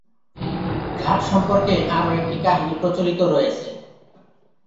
ঘাট সম্পর্কে আরও একটি কাহিনী প্রচলিত রয়েছে।